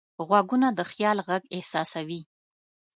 غوږونه د خیال غږ احساسوي